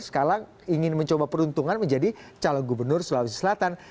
sekarang ingin mencoba peruntungan menjadi calon gubernur sulawesi selatan